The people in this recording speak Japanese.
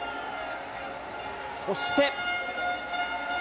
そして。